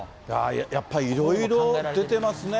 いやー、やっぱりいろいろ出てますね。